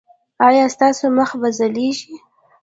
ایا ستاسو مخ به ځلیږي؟